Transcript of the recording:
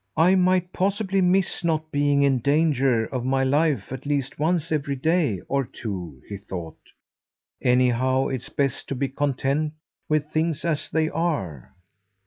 "I might possibly miss not being in danger of my life at least once every day or two," he thought. "Anyhow it's best to be content with things as they are."